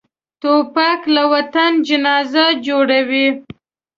توپک له وطن جنازه جوړوي.